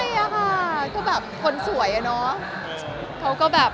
ใช่ค่ะก็แบบคนสวยอะเนาะ